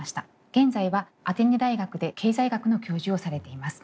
現在はアテネ大学で経済学の教授をされています。